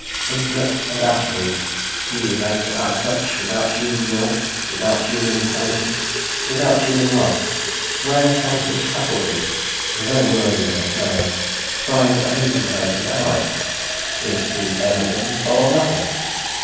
Infinite and Absolute, he evades our touch; without human will, without human intelligence, without human love, where can his faculties the very word is a misnomer find a meeting place with ours? Is he everything or nothing?